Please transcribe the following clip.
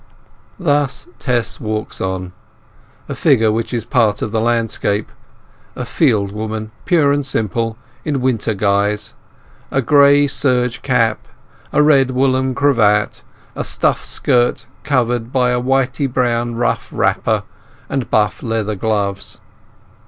Thus Tess walks on; a figure which is part of the landscape; a fieldwoman pure and simple, in winter guise; a gray serge cape, a red woollen cravat, a stuff skirt covered by a whitey brown rough wrapper, and buff leather gloves.